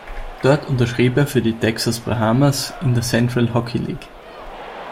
Dort unterschrieb er für die Texas Brahmas in der Central Hockey League.